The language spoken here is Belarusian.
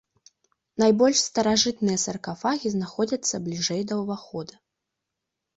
Найбольш старажытныя саркафагі знаходзяцца бліжэй да ўвахода.